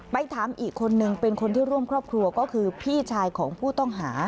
ถามอีกคนนึงเป็นคนที่ร่วมครอบครัวก็คือพี่ชายของผู้ต้องหา